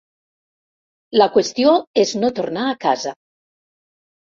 La qüestió és no tornar a casa.